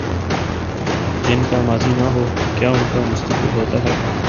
جن کا ماضی نہ ہو، کیا ان کا کوئی مستقبل ہوتا ہے؟